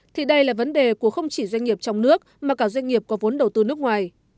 thì đây là vấn đề của không chỉ doanh nghiệp trong nước mà cả doanh nghiệp có vốn đầu tư nước ngoài